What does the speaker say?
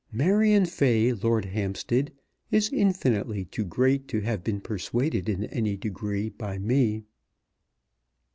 Marion Fay, Lord Hampstead, is infinitely too great to have been persuaded in any degree by me."